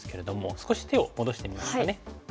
少し手を戻してみますかね。